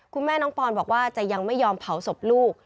คุณแม่น้องปอนบอกว่าจะยังไม่ยอมเผาศพลูก